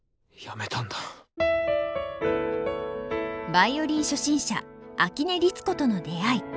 ヴァイオリン初心者秋音律子との出会い。